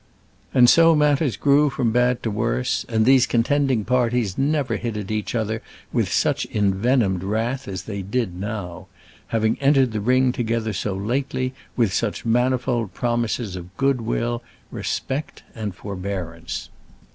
And so matters grew from bad to worse, and these contending parties never hit at each other with such envenomed wrath as they did now; having entered the ring together so lately with such manifold promises of good will, respect, and forbearance!